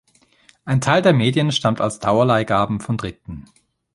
Ein Teil der Medien stammt als Dauerleihgaben von Dritten.